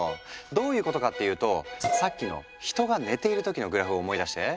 どういうことかっていうとさっきの人が寝ている時のグラフを思い出して。